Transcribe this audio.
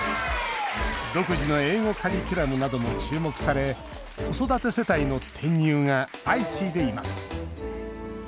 独自の英語カリキュラムなども注目され子育て世帯の転入が相次いでいます。